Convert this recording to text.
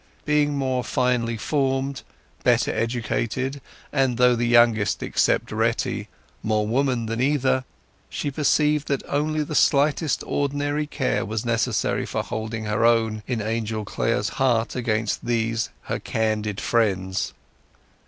Being more finely formed, better educated, and, though the youngest except Retty, more woman than either, she perceived that only the slightest ordinary care was necessary for holding her own in Angel Clare's heart against these her candid friends.